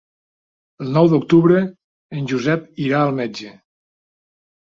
El nou d'octubre en Josep irà al metge.